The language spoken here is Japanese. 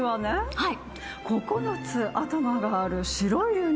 はい。